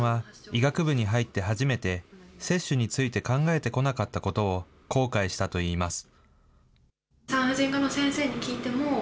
中島さんは、医学部に入って初めて、接種について考えてこなかったことを後悔したといいます。